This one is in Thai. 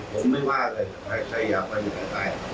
ผมไม่ว่าเลยแต่ใครอยากไปก็ไป